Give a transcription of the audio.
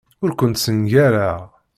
Ur kent-ssengareɣ.